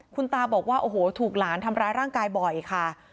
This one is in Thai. คุณตาบอกว่าโอ้โหถูกหลานทำร้ายร่างกายบ่อยค่ะ